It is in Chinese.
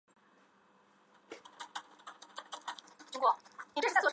不过在小牛队时易建联鲜有上场机会。